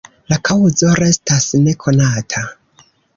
La kaŭzo restas ne konata.